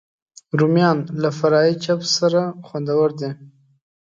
رومیان له فرای چپس سره خوندور دي